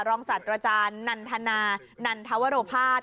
รองศัตริย์อาจารย์นันทนานันธวรภาช